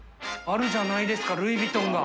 あるじゃないですか！